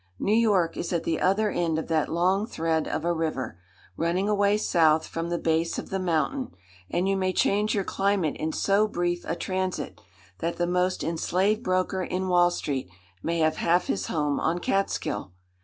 New York is at the other end of that long thread of a river, running away south from the base of the mountain; and you may change your climate in so brief a transit, that the most enslaved broker in Wall Street may have half his home on Catskill.